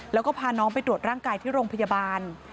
แล้วก็พาน้องไปตรวจร่างกายที่โรงพยาบาล